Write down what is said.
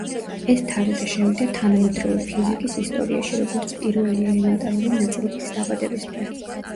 ეს თარიღი შევიდა თანამედროვე ფიზიკის ისტორიაში როგორც პირველი ელემენტარული ნაწილაკის დაბადების დღე.